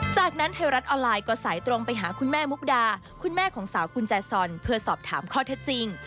จากนั้นไทยรัฐออนไลน์ก็สายตรงไปหาคุณแม่มุกดาคุณแม่ของสาวกุญแจซอนเพื่อสอบถามข้อเท็จจริง